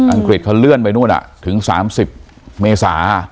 กฤษเขาเลื่อนไปนู่นถึง๓๐เมษา